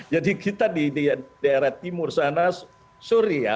jadi kita di daerah timur sana suria